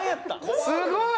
すごい！